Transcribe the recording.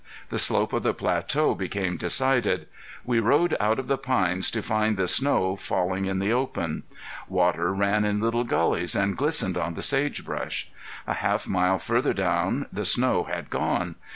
The slope of the plateau became decided. We rode out of the pines to find the snow failing in the open. Water ran in little gullies and glistened on the sagebrush. A half mile further down the snow had gone.